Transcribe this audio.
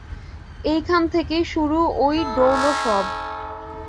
এইখান থেকেই শুরু ঐ ডৌল সব।